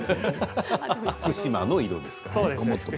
福島の色ですから。